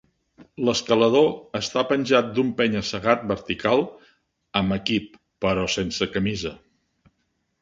L'escalador està penjant d'un penya-segat vertical amb equip, però sense camisa